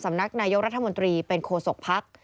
สำนักนายกรัฐมนตรีเป็นโคศกพัก